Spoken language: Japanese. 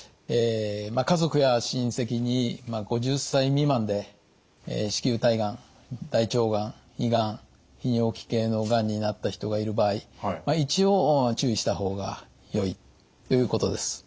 家族や親せきに５０歳未満で子宮体がん大腸がん胃がん泌尿器系のがんになった人がいる場合一応注意した方がよいということです。